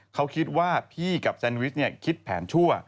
เขาคิดว่าพี่กับแซนวิชคิดแผนชั่ว